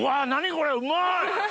これうまい！